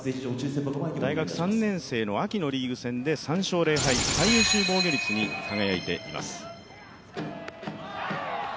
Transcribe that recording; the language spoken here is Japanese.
大学３年生の秋のリーグ戦で３勝０敗、最優秀防御率に輝いています。